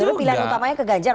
itu pilihan utamanya ke ganjar